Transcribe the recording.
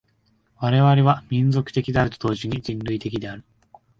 我々は民族的であると同時に人類的である。